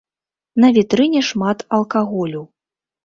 На вітрыне шмат алкаголю.